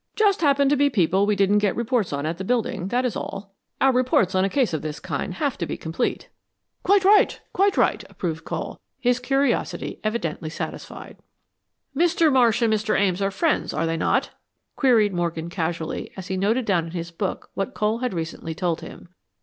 "Just happen to be people we didn't get reports on at the building, that is all. Our reports on a case of this kind have to be complete." "Quite right quite right," approved Cole, his curiosity evidently satisfied. "Mr. Marsh and Mr. Ames are friends, are they not?" queried Morgan, casually, as he noted down in his book what Cole had recently told him.